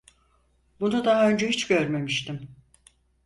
Bunu daha önce hiç görmemiştim.